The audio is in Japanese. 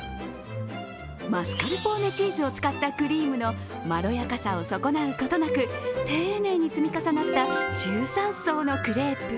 マスカルポーネチーズを使ったクリームのまろやかさを損なうことなく丁寧に積み重なった１３層のクレープ。